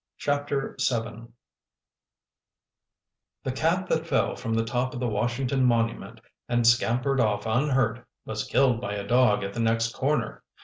CHAPTER VII The cat that fell from the top of the Washington monument, and scampered off unhurt was killed by a dog at the next corner.